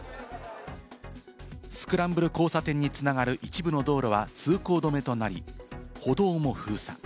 スクランブル交差点につながる一部の道路は通行止めとなり、歩道も封鎖。